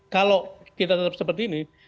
kalau kita tetap seperti ini